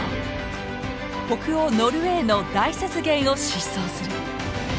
北欧・ノルウェーの大雪原を疾走する。